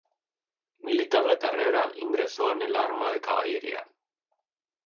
Militar de carrera, ingresó en el arma de Caballería.